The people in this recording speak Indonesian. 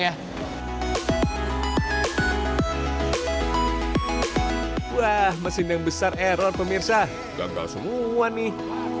wah mesin yang besar error pemirsa ganggal semua nih